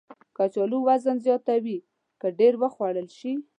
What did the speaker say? کچالو وزن زیاتوي که ډېر وخوړل شي